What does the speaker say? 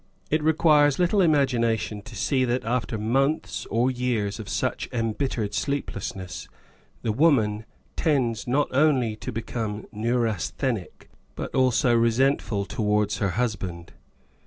It requires little imagination to see that after months or years of such embittered sleeplessness, the woman tends not only to become neurasthenic but also resentful towards her husband.